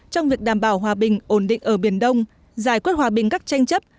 trong việc đảm bảo hòa bình ổn định ở biển đông giải quyết hòa bình các tranh chấp